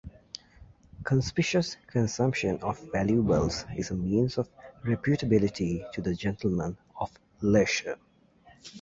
Conspicuous consumption of valuables is a means of reputability to the gentleman of leisure.